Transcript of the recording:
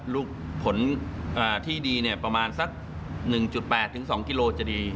ลูกผลที่ดีเนี่ยประมาณ๑๘๒กิโลกรัมจะดี